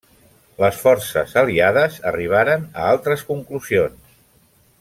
Les forces aliades arribaren a altres conclusions.